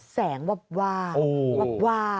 แสงวาบ